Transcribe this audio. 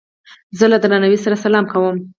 زه له درناوي سره سلام کوم.